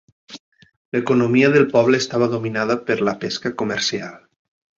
L'economia del poble estava dominada per la pesca comercial.